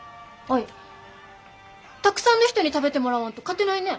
アイたくさんの人に食べてもらわんと勝てないね。